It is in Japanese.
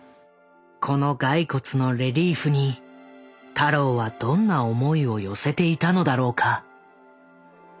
この骸骨のレリーフに太郎はどんな思いを寄せていたのだろうか。